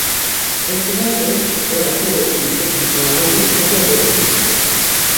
Elle se rencontre vers la forêt Peel dans la région de Canterbury.